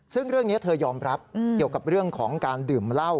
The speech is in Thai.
ซึ่งเรื่องนี้เธอยอมรับเกี่ยวกับเรื่องของการดื่มเหล้า